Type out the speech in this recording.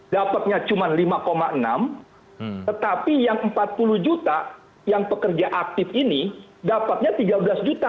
dapatnya cuma lima enam tetapi yang empat puluh juta yang pekerja aktif ini dapatnya tiga belas juta